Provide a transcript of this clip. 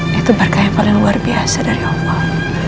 itu berkah yang paling luar biasa dari allah